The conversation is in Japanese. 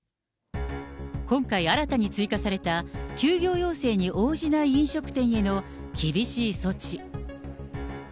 今回新たに追加された、休業要請に応じない飲食店への厳しい措置。